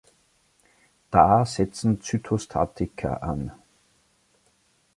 Da setzen Zytostatika an.